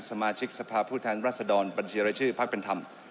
สมาชิกสภาพผู้แทนรัศดรบัญชีรายชื่อพักเป็นธรรม